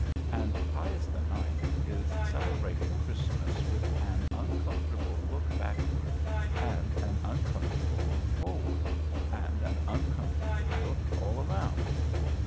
And Pius IX. is celebrating Christmas with an uncomfortable look backward, and an uncomfortable look forward, and an uncomfortable look all around.